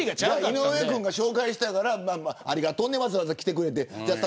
井上君が紹介したからありがとう、わざわざ来てくれてじゃあ